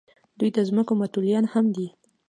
دوی د ځمکو متولیان هم دي.